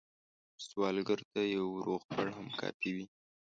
سوالګر ته یو روغبړ هم کافي وي